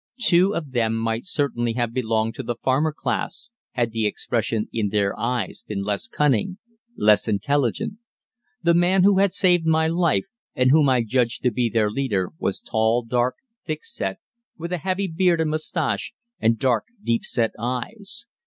Two of them might certainly have belonged to the farmer class had the expression in their eyes been less cunning, less intelligent. The man who had saved my life, and whom I judged to be their leader, was tall, dark, thick set, with a heavy beard and moustache, and dark, deep set eyes.